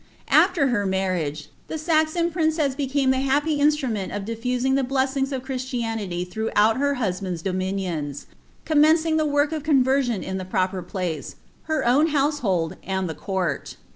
After her roarriage, the Sason princess became lltf happy insinimeut of dilTusing the blessings of Christianiiy ihroughoDi Iter bueband's dominions, commencing the work of conversioti in iIm proper place, her own household and the court.